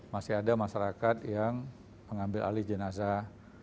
masih ada masyarakat yang mengambil alih jenazah